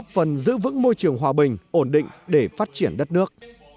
và tạo bình ổn định để phát triển đất nước